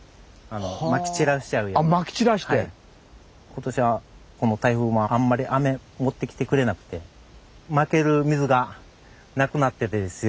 今年は台風もあんまり雨持ってきてくれなくてまける水がなくなっててですよ。